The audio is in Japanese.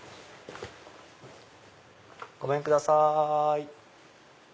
ごめんください。